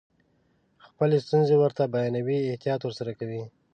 خپلې ستونزې ورته بیانوئ احتیاط ورسره کوئ.